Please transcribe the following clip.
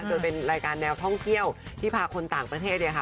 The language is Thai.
โดยเป็นรายการแนวท่องเที่ยวที่พาคนต่างประเทศเนี่ยค่ะ